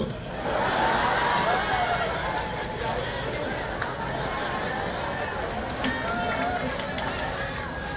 tadi ada tadi